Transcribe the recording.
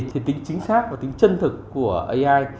thì tính chính xác và tính chân thực của ai